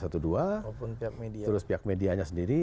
terus pihak medianya sendiri